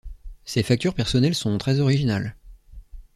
Ses factures personnelles sont très originales.